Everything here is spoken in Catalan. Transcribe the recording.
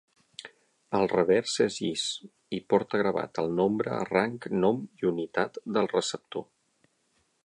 El revers és llis, i porta gravat el nombre, ranc, nom i unitat del receptor.